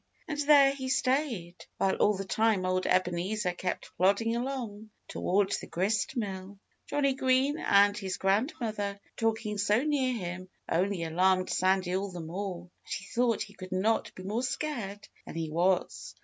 And there he stayed, while all the time old Ebenezer kept plodding along toward the grist mill. Johnnie Green and his grandmother, talking so near him, only alarmed Sandy all the more. And he thought he could not be more scared than he was.